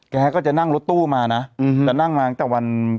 แกก็จะนั่งรถตู้มานะแต่นั่งมาตั้งแต่วัน